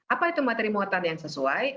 apa itu materi muatan yang sesuai